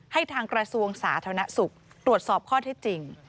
ทางกระทรวงสาธารณสุขตรวจสอบข้อที่จริง